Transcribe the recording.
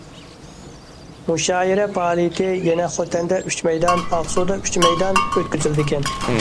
مۇشائىرە پائالىيىتى يەنە خوتەندە ئۈچ مەيدان، ئاقسۇدا ئۈچ مەيدان ئۆتكۈزۈلىدىكەن.